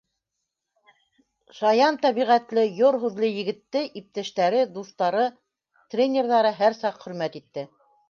Шаян тәбиғәтле, йор һүҙле егетте иптәштәре, дуҫтары, тренерҙары һәр саҡ хөрмәт итте.